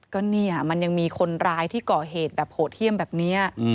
ก็เนี่ยมันยังมีคนร้ายที่ก่อเหตุแบบโหดเยี่ยมแบบนี้